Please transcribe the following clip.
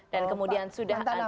dan kemudian sudah